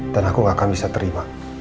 dan aku gak akan bisa terima